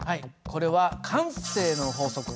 これは「慣性の法則」。